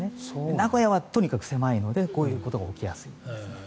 名古屋はとにかく狭いのでこういうことが起きやすい。